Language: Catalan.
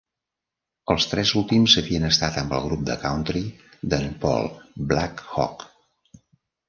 Els tres últims havien estat amb el grup de country d'en Paul, BlackHawk.